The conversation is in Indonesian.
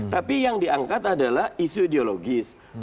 tapi yang diangkat adalah isu ideologis